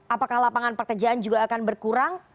apakah lapangan pekerjaan juga akan berkurang